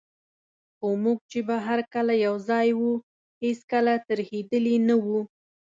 خو موږ چي به هر کله یوځای وو، هیڅکله ترهېدلي نه وو.